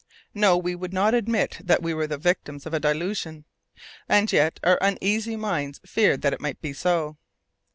No! we would not admit that we were the victims of a delusion, and yet our uneasy minds feared that it might be so!